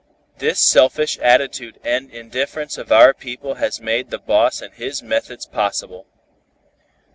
This selfish attitude and indifference of our people has made the boss and his methods possible.